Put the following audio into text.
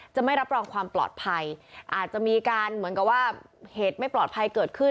ไม่รับรองความปลอดภัยอาจจะมีการเหมือนกับว่าเหตุไม่ปลอดภัยเกิดขึ้น